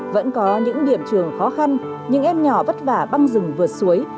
vẫn có những điểm trường khó khăn những em nhỏ vất vả băng rừng vượt suối